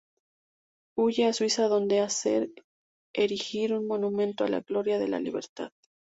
Huye a Suiza, donde hacer erigir un monumento a la gloria de la libertad.